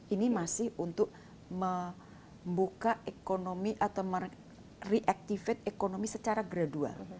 ini masih untuk membuka ekonomi atau reactivate ekonomi secara gradual